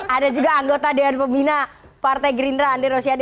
ada juga anggota dengan pembina partai green run andi rosiade